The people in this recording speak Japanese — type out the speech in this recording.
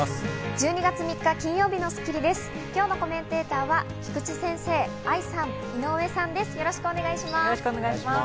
１２月３日、金曜日の『スッキリ』です。